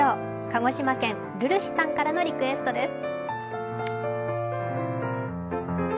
鹿児島県るるひさんからのリクエストです。